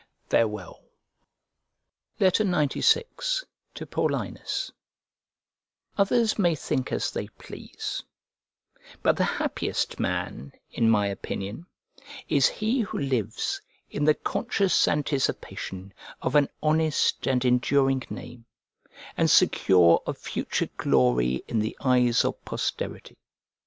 Farewell. XCVI To PAULINUS OTHERS may think as they please; but the happiest man, in my opinion, is he who lives in the conscious anticipation of an honest and enduring name, and secure of future glory in the eyes of posterity.